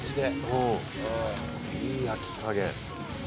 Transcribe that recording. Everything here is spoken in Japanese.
「いい焼き加減！」